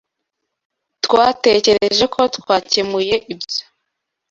Twatekereje ko twakemuye ibyo.